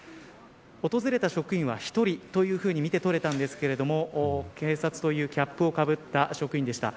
訪れた職員は１人というふうに見て取れたんですが警察というキャップをかぶった職員でした。